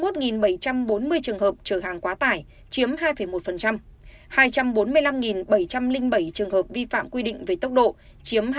hai mươi một bảy trăm bốn mươi trường hợp trở hàng quá tải chiếm hai một hai trăm bốn mươi năm bảy trăm linh bảy trường hợp vi phạm quy định về tốc độ chiếm hai mươi